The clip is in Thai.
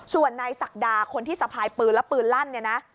ส่วนนายศักดาคนที่สะพายปืนและปืนลั่นเนี่ยนะ